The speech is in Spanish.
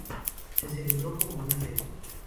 Se celebró como un ascenso.